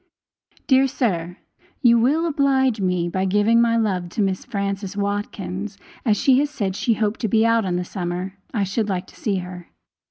Dear sir, you will oblige me by giving my love to Miss Frances Watkins, and as she said she hoped to be out in the summer, I should like to see her.